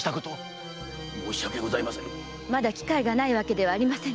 まだ機会がないわけではありませぬ。